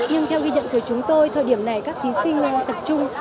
nhưng theo ghi nhận của chúng tôi thời điểm này các thí sinh tập trung